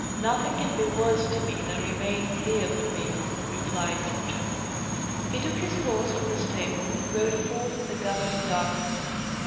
"Nothing can be worse to me than remaining here would be," replied Sintram. He took his horse from the stable and rode forth in the gathering darkness.